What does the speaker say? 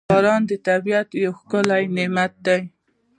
• باران د طبیعت یو ښکلی نعمت دی.